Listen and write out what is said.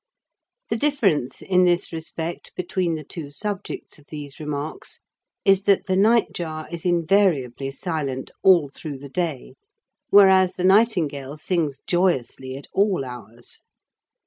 The difference in this respect between the two subjects of these remarks is that the nightjar is invariably silent all through the day, whereas the nightingale sings joyously at all hours.